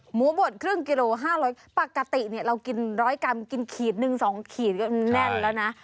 หมูบดครึ่งกิโล๕๐๐กรัมปกติเนี่ยเรากิน๑๐๐กรัมกินขีด๑๒ขีดก็แน่นแล้วนะ